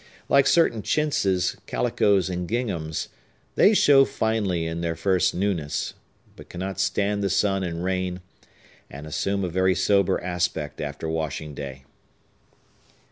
Like certain chintzes, calicoes, and ginghams, they show finely in their first newness, but cannot stand the sun and rain, and assume a very sober aspect after washing day.